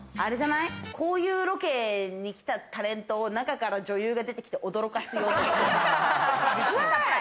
こういうロケに来たタレントを、中から女優が出てきて驚かすとか。